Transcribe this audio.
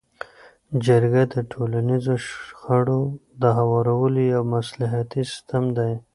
جرګه د ټولنیزو شخړو د هوارولو یو مصلحتي سیستم دی.